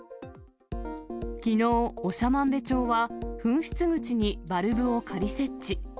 きのう、長万部町は噴出口にバルブを仮設置。